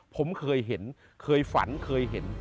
ผมเคยเห็นเคยฝันเคยเห็น